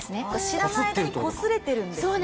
知らない間にこすれてるんですね。